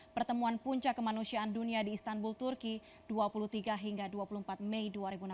pertemuan puncak kemanusiaan dunia di istanbul turki dua puluh tiga hingga dua puluh empat mei dua ribu enam belas